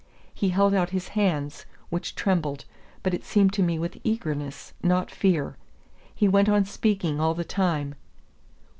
He held out his hands, which trembled, but it seemed to me with eagerness, not fear. He went on speaking all the time.